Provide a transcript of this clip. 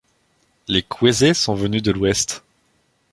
Les Kwese sont venus de l'ouest.